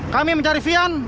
kami mencari fian